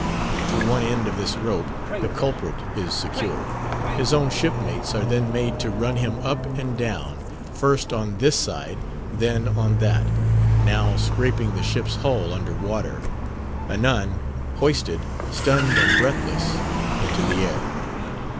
To one end of this rope the culprit is secured; his own shipmates are then made to run him up and down, first on this side, then on that—now scraping the ship's hull under water—anon, hoisted, stunned and breathless, into the air.